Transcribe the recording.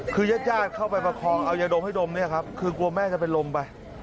คือญาติญาติเข้าไปประคองเอายาดมให้ดมเนี่ยครับคือกลัวแม่จะเป็นลมไป